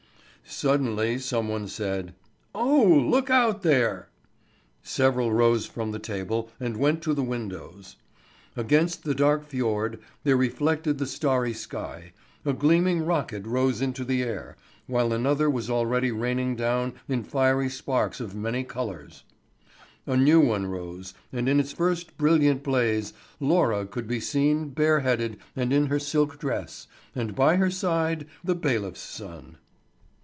Suddenly some one said: "Oh, look out there!" Several rose from the table and went to the windows. Against the dark fjord, that reflected the starry sky, a gleaming rocket rose into the air, while another was already raining down in fiery sparks of many colours. A new one rose, and in its first brilliant blaze Laura could be seen bare headed and in her silk dress, and by her side the bailiff's son.